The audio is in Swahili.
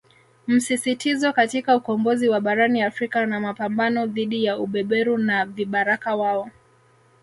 Msisitizo katika ukombozi wa Barani Afrika na mapambano dhidi ya ubeberu na vibaraka wao